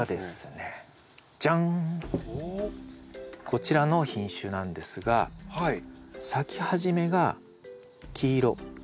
こちらの品種なんですが咲き始めが黄色。